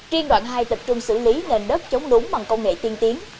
riêng đoạn hai tập trung xử lý nền đất chống lúng bằng công nghệ tiên tiến